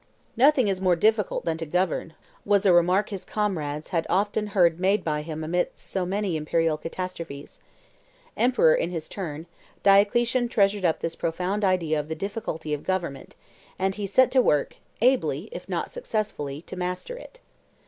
"Nothing is more difficult than to govern," was a remark his comrades had often heard made by him amidst so many imperial catastrophes. Emperor in his turn, Diocletian treasured up this profound idea of the difficulty of government, and he set to work, ably, if not successfully, to master it.